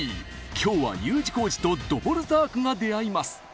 今日はＵ字工事とドボルザークが出会います！